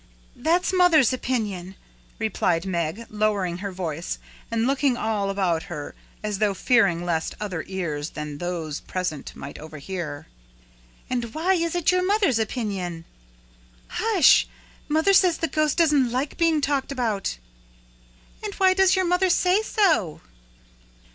"That's mother's opinion," replied Meg, lowering her voice and looking all about her as though fearing lest other ears than those present might overhear. "And why is it your mother's opinion?" "Hush! Mother says the ghost doesn't like being talked about." "And why does your mother say so?"